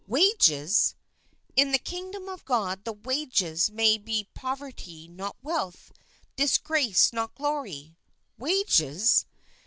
Wages ? In the Kingdom of God the wages may be pov erty not wealth, disgrace not glory. Wages?